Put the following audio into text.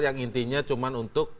yang intinya cuma untuk